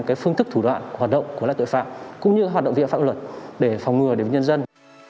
cái phương thức thủ đoạn hoạt động của loại tội phạm cũng như hoạt động vi phạm pháp luật để phòng ngừa đến nhân dân